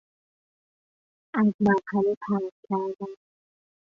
از مرحله پرت کردن